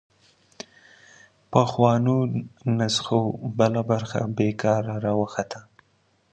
پخوانو نسخو بله برخه بېکاره راوخته